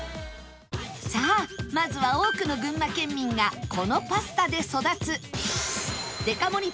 さあまずは多くの群馬県民がこのパスタで育つデカ盛り